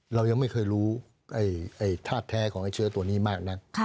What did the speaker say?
เรายังไม่เคยรู้ท่าแท้ของไอ้เชื้อตัวนี้มากนัก